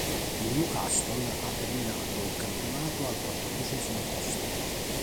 Il Newcastle ha terminato il campionato al quattordicesimo posto.